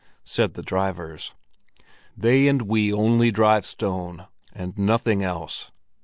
said the drivers. "They and we drive only stone and nothing else."